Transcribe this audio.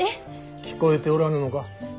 聞こえておらぬのか。